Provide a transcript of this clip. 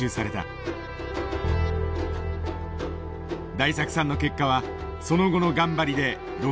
大作さんの結果はその後の頑張りで６７羽。